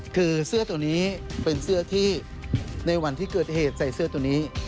คือเสื้อตัวนี้เป็นเสื้อที่ในวันที่เกิดเหตุใส่เสื้อตัวนี้